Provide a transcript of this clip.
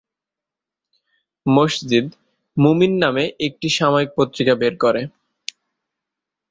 মসজিদ "মুমিন" নামে একটি সাময়িক পত্রিকা বের করে।